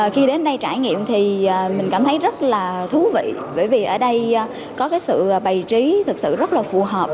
khi đến đây trải nghiệm thì mình cảm thấy rất là thú vị bởi vì ở đây có cái sự bày trí thực sự rất là phù hợp